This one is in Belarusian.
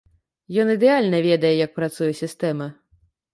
Ён ідэальна ведае, як працуе сістэма.